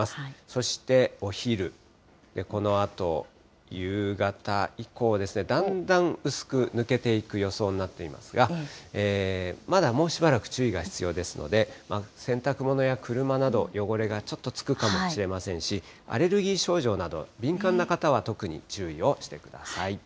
そしてお昼、このあと夕方以降、だんだん薄く抜けていく予想になっていますが、まだもうしばらく注意が必要ですので、洗濯物や車など、汚れがちょっとつくかもしれませんし、アレルギー症状など敏感な方は特に注意をしてください。